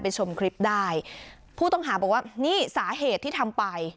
ชมคลิปได้ผู้ต้องหาบอกว่านี่สาเหตุที่ทำไป